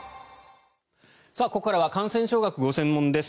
ここからは感染症学がご専門です。